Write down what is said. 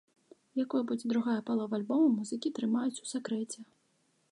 Якой будзе другая палова альбома, музыкі трымаюць у сакрэце.